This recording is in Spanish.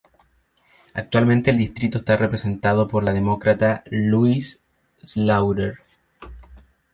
Actualmente el distrito está representado por la Demócrata Louise Slaughter.